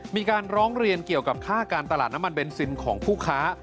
มีการร้องเรียนเกี่ยวกับค่าการตลาดน้ำมันเบนซินของผู้ค้า